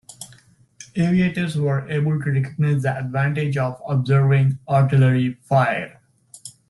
Aviators were able to recognise the advantage of observing artillery fire.